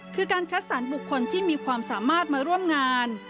คือการคัดสรรบุคคลที่มีความสามารถมาร่วมงาน